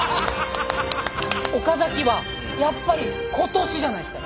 岡崎はやっぱり今年じゃないですか。